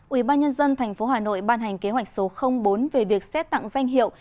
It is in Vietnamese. ủy ban nhân dân tp hà nội ban hành kế hoạch số bốn về việc xét tặng danh hiệu